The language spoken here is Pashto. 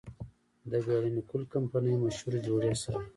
د ګيلاني کول کمپني مشهور جوړي سر،